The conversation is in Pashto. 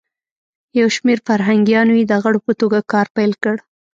یو شمیر فرهنګیانو یی د غړو په توګه کار پیل کړ.